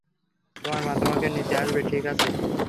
তোমার মা তোমাকে নিতে আসবে, ঠিক আছে?